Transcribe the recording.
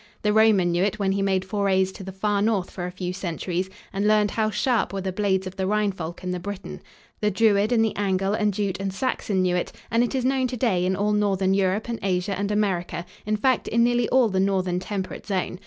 The Roman knew it when he made forays to the far north for a few centuries and learned how sharp were the blades of the Rhine folk and the Briton. The Druid and the Angle and Jute and Saxon knew it, and it is known to day in all northern Europe and Asia and America, in fact, in nearly all the northern temperate zone.